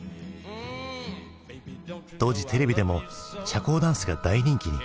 当時テレビでも社交ダンスが大人気に。